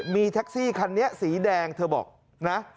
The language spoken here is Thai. มีแท็กซี่คันนี้สีแดงเธอบอกนะ